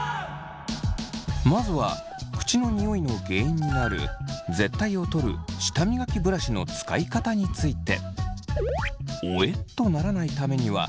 まずは口のニオイの原因になる舌苔を取る舌磨きブラシの使い方について。